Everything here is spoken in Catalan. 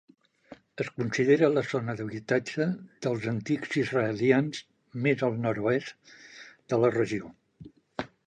Es considera la zona d'habitatge dels antics israelians més al nord-oest de la regió.